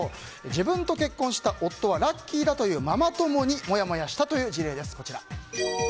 自分と結婚した夫はラッキーだというママ友にもやもやしたという事例です。